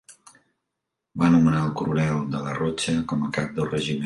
Va nomenar al coronel De la Rocha com a cap del regiment.